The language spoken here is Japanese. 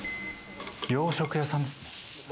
洋食屋さんですね。